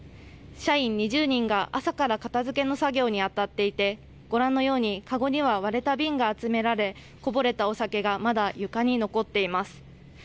社員２０人が朝から片づけの作業にあたっていてご覧のように籠には割れた瓶が集められこぼれたお酒がまだ床に残っています。